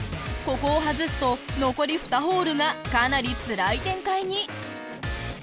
ここを外すと残り２ホールがかなりつらい展開に。